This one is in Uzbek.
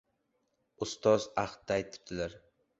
Ustod ahdda aytibdir: